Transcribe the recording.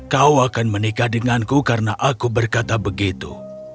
kau akan menikah denganku karena aku berkata begitu